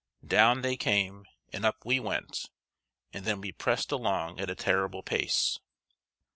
Down they came, and up we went; and then we pressed along at a terrible pace.